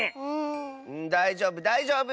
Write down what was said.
だいじょうぶだいじょうぶ！